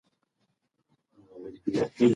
هغه د ملي پخلاینې سمبول ګڼل کېږي.